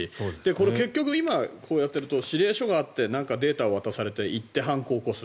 これ、結局、今こうやっていると指令書があってデータを渡されて行って、犯行を起こす。